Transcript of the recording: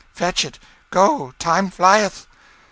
"Fetch it! Go: time flieth!"